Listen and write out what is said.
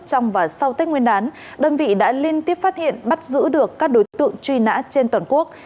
trong và sau tết nguyên đán đơn vị đã liên tiếp phát hiện bắt giữ được các đối tượng truy nã trên toàn quốc